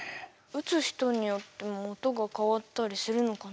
打つ人によっても音が変わったりするのかな？